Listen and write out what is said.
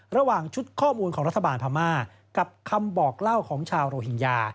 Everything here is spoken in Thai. ระหว่างชุดข้อมูลของรัฐบาลพม่ากับคำบอกเล่าของชาวโรฮิงญา